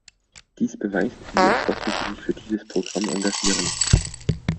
Dies beweist, wie entschlossen Sie sich für dieses Programm engagieren.